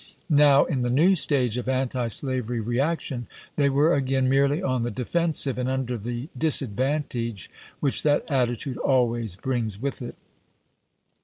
Now, in the new stage of antislaveiy reaction, they were again merely on the defensive and under the disadvantage which that attitude always brings with it.